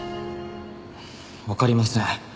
わかりません。